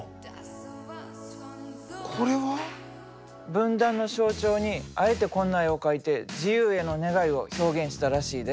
分断の象徴にあえてこんな絵を描いて自由への願いを表現したらしいで。